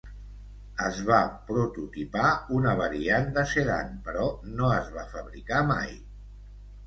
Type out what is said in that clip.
Es va prototipar una variant de sedan però no es va fabricar mai.